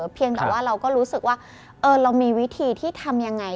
เพียงแต่ว่าเราก็รู้สึกว่าเรามีวิธีที่ทำยังไง